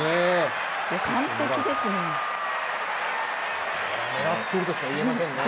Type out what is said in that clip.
完璧ですね。